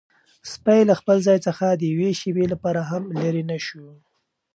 سپی له خپل ځای څخه د یوې شېبې لپاره هم لیرې نه شو.